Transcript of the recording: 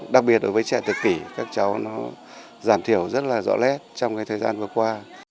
đặc biệt đối với trẻ tự kỷ các cháu nó giảm thiểu rất là rõ lét trong cái thời gian vừa qua